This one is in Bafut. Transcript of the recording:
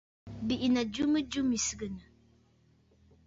Bì’inǝ̀ jɨ mɨjɨ mì sɨgɨnǝ̀.